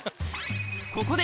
ここで